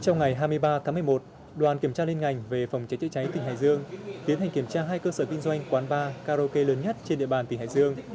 trong ngày hai mươi ba tháng một mươi một đoàn kiểm tra liên ngành về phòng cháy chữa cháy tỉnh hải dương tiến hành kiểm tra hai cơ sở kinh doanh quán bar karaoke lớn nhất trên địa bàn tỉnh hải dương